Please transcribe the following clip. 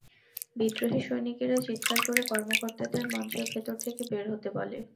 বিদ্রোহী সৈনিকেরা চিত্কার করে কর্মকর্তাদের মঞ্চের ভেতর থেকে বের হতে বলে।